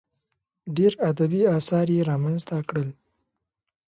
ډېر ادبي اثار یې رامنځته کړل.